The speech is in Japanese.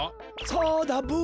そうだブ。